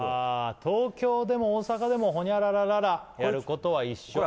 東京でも大阪でもホニャララララやることは一緒